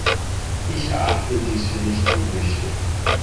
Ich erachte dies für nicht unwichtig.